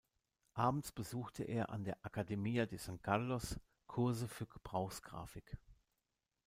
Abends besuchte er an der Academia de San Carlos Kurse für Gebrauchsgrafik.